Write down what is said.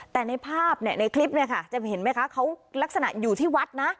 แต่ในภาพเนี่ยในคลิปเนี่ยค่ะจะเห็นไหมคะเขาลักษณะอยู่ที่วัดนะ